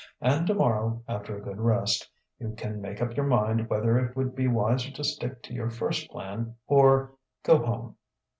And tomorrow, after a good rest, you can make up your mind whether it would be wiser to stick to your first plan or go home."